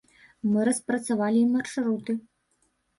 Мы распрацавалі і маршруты.